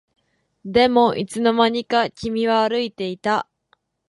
でもいつの間にか君は歩いていた